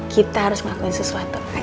kita harus ngakuin sesuatu